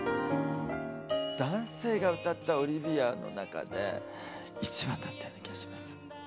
男性が歌った「オリビア」の中で一番だったような気がします。